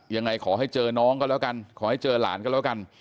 ยังไงขอให้เจอน้องก็แล้วกันขอให้เจอหลานก็แล้วกัน